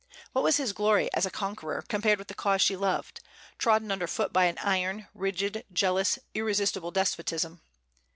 What was his glory, as a conqueror, compared with the cause she loved, trodden under foot by an iron, rigid, jealous, irresistible despotism?